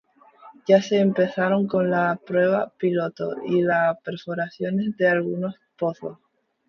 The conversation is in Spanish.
Ya se comenzaron con la prueba piloto y las perforaciones de algunos pozos.